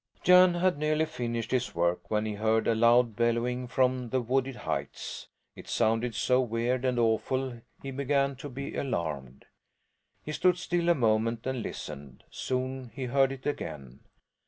Jan had nearly finished his work when he heard a loud bellowing from the wooded heights! It sounded so weird and awful he began to be alarmed. He stood still a moment and listened. Soon he heard it again.